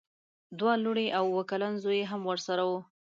دوه لوڼې او اوه کلن زوی یې هم ورسره وو.